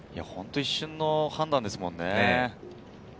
一瞬の判断ですもんね。